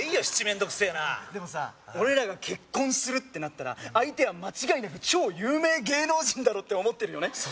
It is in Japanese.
七面倒くせえなでもさ俺らが結婚するってなったら相手は間違いなく超有名芸能人だろって思ってるよね